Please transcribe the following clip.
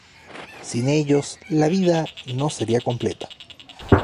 Sin ellos la vida no sería completa.